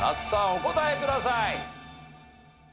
お答えください。